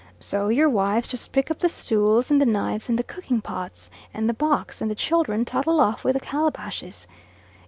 So your wives just pick up the stools and the knives and the cooking pots, and the box, and the children toddle off with the calabashes.